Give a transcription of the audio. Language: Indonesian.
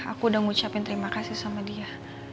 aku udah ngucapin terima kasih sama dia